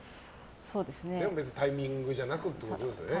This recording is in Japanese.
でも別にタイミングじゃなくってことですよね。